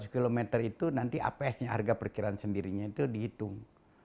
dua ratus km itu nanti apsnya harga perkiraan sendirinya itu dihitung